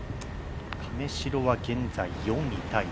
亀代は現在４位タイ。